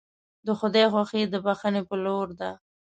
د خدای خوښي د بښنې په لور ده.